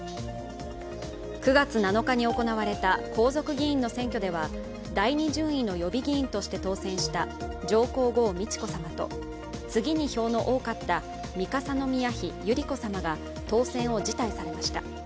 ９月７日に行われた皇族議員の選挙では第２順位の予備議員として当選した上皇后・美智子さまと次に票の多かった三笠宮妃百合子さまが当選を辞退されました。